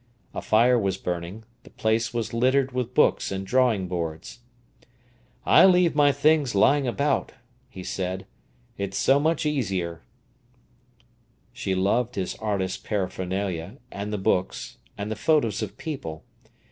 A fire was burning; the place was littered with books and drawing boards. "I leave my things lying about," he said. "It's so much easier." She loved his artist's paraphernalia, and the books, and the photos of people.